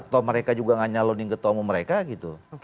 atau mereka juga gak nyalonin ketua umum mereka gitu